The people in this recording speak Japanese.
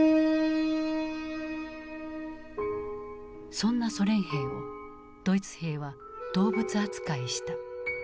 そんなソ連兵をドイツ兵は動物扱いした。